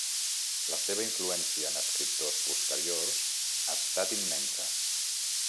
La seva influència en escriptors posteriors ha estat immensa.